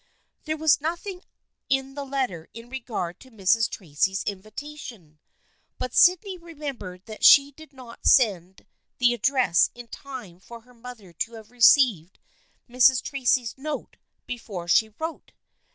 There was nothing in the letter in regard to Mrs. Tracy's invitation, but Sydney remembered that she did not send the address in time for her mother to have received Mrs. Tracy's note before she wrote.